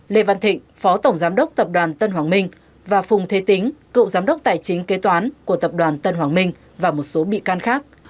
lê văn thịnh phó tổng giám đốc tập đoàn tân hoàng minh và phùng thế tính cựu giám đốc tài chính kế toán của tập đoàn tân hoàng minh và một số bị can khác